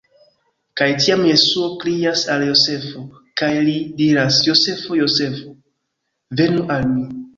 Kaj tiam Jesuo krias al Jozefo, kaj li diras: "Jozefo! Jozefo, venu al mi!